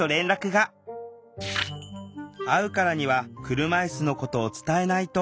「会うからには車いすのことを伝えないと」と考えたセナさん。